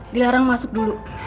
dilarang masuk dulu